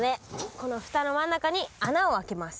この蓋の真ん中に穴を開けます。